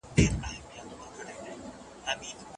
که سمون وي نو غلطي نه پاتې کیږي.